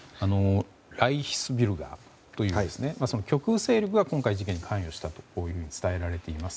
ライヒスビュルガーという極右勢力が今回、事件に関与したと伝えられています。